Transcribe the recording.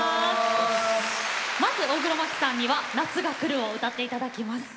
まず大黒摩季さんには「夏が来る」を歌っていただきます。